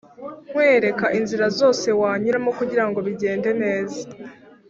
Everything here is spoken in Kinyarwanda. nkwereka inzira zose wanyuramo kugirango bigende neza